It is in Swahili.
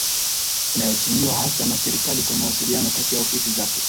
inayotumiwa hasa na serikali kwa mawasiliano kati ya ofisi zake